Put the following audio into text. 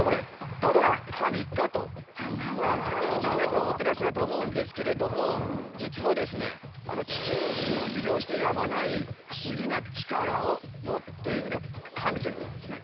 ただの紙かと全宇宙の皆さん思ってらっしゃると思うんですけれども実はですね地球人を魅了してやまない不思議な力を持っている紙ということなんですね。